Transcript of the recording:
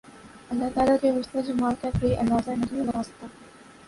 اللہ تعالی کے حسن و جمال کا کوئی اندازہ نہیں لگا سکت